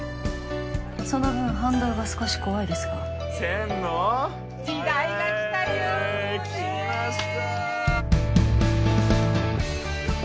その分反動が少し怖いですがセンの？時代がきたよきました